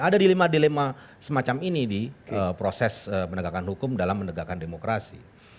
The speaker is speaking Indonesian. ada dilema dilema semacam ini di proses penegakan hukum dalam menegakkan demokrasi